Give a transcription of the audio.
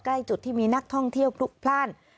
ใกล้จุดที่มีนักท่องเที่ยวพลุกพลาด